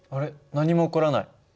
何も起こらない。